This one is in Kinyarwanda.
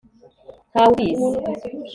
Ntawe ubizi